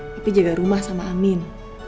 tapi jaga rumah sama amin